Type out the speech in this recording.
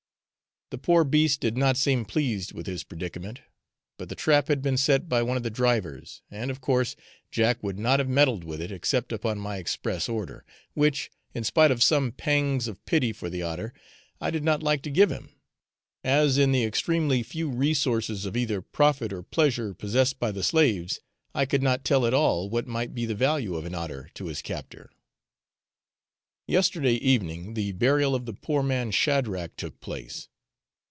The poor beast did not seem pleased with his predicament; but the trap had been set by one of the drivers, and, of course, Jack would not have meddled with it except upon my express order, which, in spite of some pangs of pity for the otter, I did not like to give him, as in the extremely few resources of either profit or pleasure possessed by the slaves I could not tell at all what might be the value of an otter to his captor. Yesterday evening the burial of the poor man Shadrach took place.